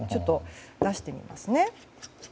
出してみますね。